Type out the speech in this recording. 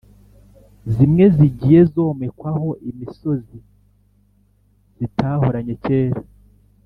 zimwe zigiye zomekwaho imisozi zitahoranye cyera.